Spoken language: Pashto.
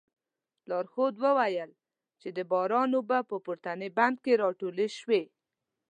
لارښود وویل چې د باران اوبه په پورتني بند کې راټولې شوې.